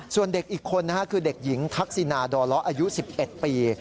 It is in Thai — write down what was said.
ส่วนเด็กอีกคนคือเด็กหญิงทักษินาดอล้ออายุ๑๑ปี